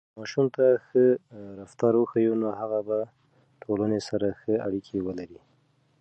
که ماشوم ته ښه رفتار وښیو، نو هغه به ټولنې سره ښه اړیکه ولري.